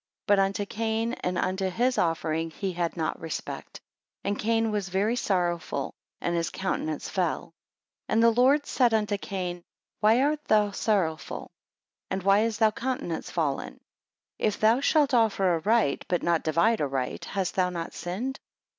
But unto Cain and unto his offering he had not respect. And Cain was very sorrowful, and his countenance fell. 3 And the Lord said unto Cain, Why art thou sorrowful? And why is thy countenance fallen? If thou shalt offer aright, but not divide aright, hast thou not sinned?